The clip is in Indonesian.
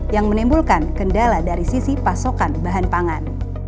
yang menimbulkan kendala dari sisi pasokan bahan pangan